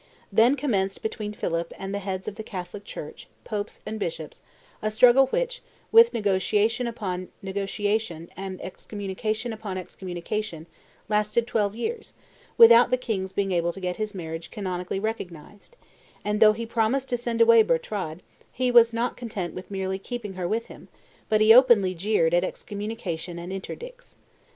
Then commenced between Philip and the heads of the Catholic Church, Pope and bishops, a struggle which, with negotiation upon negotiation and excommunication upon excommunication, lasted twelve years, without the king's being able to get his marriage canonically recognized; and, though he promised to send away Bertrade, he was not content with merely keeping her with him, but he openly jeered at excommunication and interdicts.